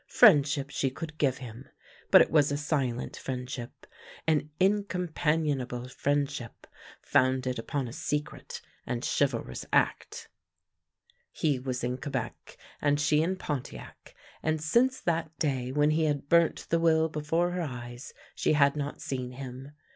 Friendship she could give him; but it was a silent friendship, an incompanionable friendship, founded upon a secret and chivalrous act. He was in Quebec 74 THE LANE THAT HAD NO TURNING and she in Pontiac, and since that day when he had burnt the will before her eyes she had not seen him.